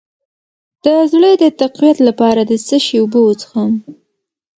د زړه د تقویت لپاره د څه شي اوبه وڅښم؟